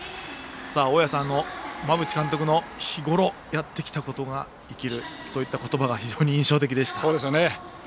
大矢さん、馬淵監督の日ごろやってきたことが生きる、そういった言葉が非常に印象的でした。